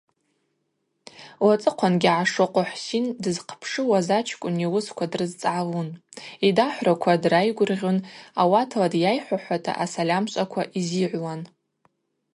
Уацӏыхъвангьи Гӏашокъва Хӏвсин дызхъпшылуаз ачкӏвын йуысква дрызцӏгӏалун, йдахӏвраква драйгвыргъьун, ауатла дйайхӏвахӏвуата асальамшвъаква йзыйыгӏвуан.